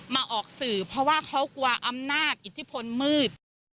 มาออกสื่อเพราะว่าเขากลัวอำนาจอิทธิพลมืด